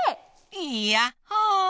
いやっほ！